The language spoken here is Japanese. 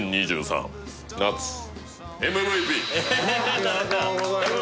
ありがとうございます